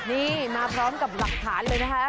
นี่มาพร้อมกับหลักฐานเลยนะคะ